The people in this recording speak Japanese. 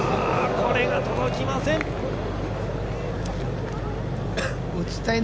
これが届きません。